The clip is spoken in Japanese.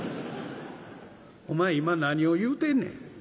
「お前今何を言うてんねん」。